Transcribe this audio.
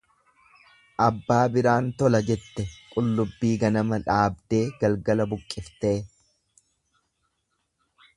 Abbaa biraan tola jette qullubbii ganama dhaabdee galgala buqqiftee.